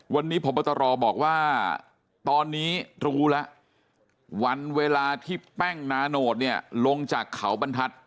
วันนี้พบตรบอกว่าตอนนี้รู้แล้ววันเวลาที่แป้งนาโนตเนี่ยลงจากเขาบรรทัศน